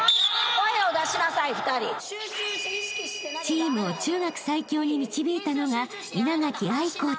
［チームを中学最強に導いたのが］